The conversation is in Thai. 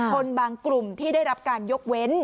คนบางกลุ่มที่ได้รับการยกเว้น